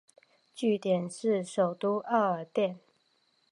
据点是首都艾尔甸。